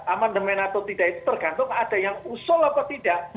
amandemen atau tidak itu tergantung ada yang usul apa tidak